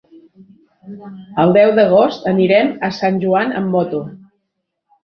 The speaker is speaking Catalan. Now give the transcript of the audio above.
El deu d'agost anirem a Sant Joan amb moto.